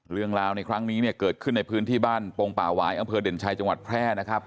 เรื่องราวในครั้งนี้เนี่ยเกิดขึ้นในพื้นที่บ้านโปรงป่าหวายอำเภอเด่นชัยจังหวัดแพร่นะครับ